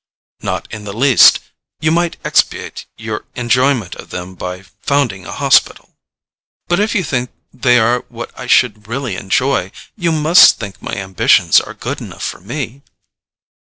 "Not in the least: you might expiate your enjoyment of them by founding a hospital." "But if you think they are what I should really enjoy, you must think my ambitions are good enough for me."